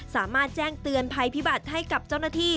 สามารถแจ้งเตือนภัยพิบัติให้กับเจ้าหน้าที่